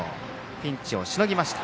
ピンチをしのぎました。